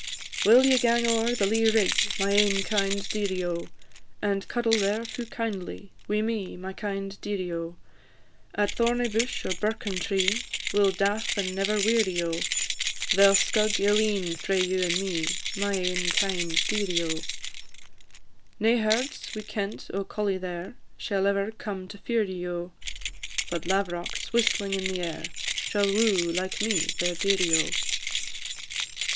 Will ye gang o'er the lea rig, My ain kind dearie, O! And cuddle there fu' kindly Wi' me, my kind dearie, O! At thorny bush, or birken tree, We 'll daff and never weary, O! They 'll scug ill een frae you and me, My ain kind dearie, O! Nae herds wi' kent or colly there, Shall ever come to fear ye, O! But lav'rocks, whistling in the air, Shall woo, like me, their dearie, O!